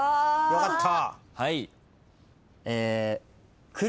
よかった。